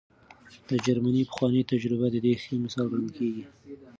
د جرمني پخوانۍ تجربه د دې ښه مثال ګڼل کېږي.